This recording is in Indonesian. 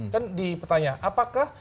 kan dipertanya apakah